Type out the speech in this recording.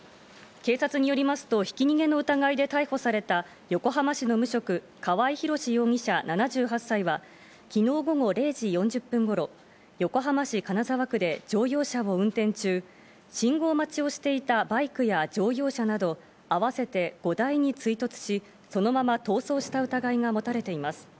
警察によりますと、ひき逃げの疑いで逮捕された横浜市の無職・川合広司容疑者・７８歳は昨日午後０時４０分頃、横浜市金沢区で乗用車を運転中、信号待ちをしていたバイクや乗用車など、あわせて５台に追突し、そのまま逃走した疑いが持たれています。